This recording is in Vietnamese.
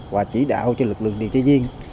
và chỉ đạo cho lực lượng điều trị viên